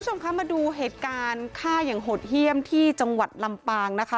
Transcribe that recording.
คุณผู้ชมคะมาดูเหตุการณ์ฆ่าอย่างหดเยี่ยมที่จังหวัดลำปางนะคะ